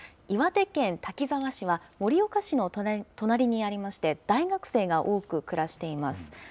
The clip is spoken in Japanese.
岩手県滝沢市は盛岡市の隣にありまして、大学生が多く暮らしています。